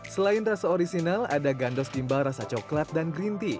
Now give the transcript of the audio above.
selain rasa orisinal ada gandos gimbal rasa coklat dan green tea